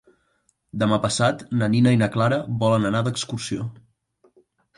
Demà passat na Nina i na Clara volen anar d'excursió.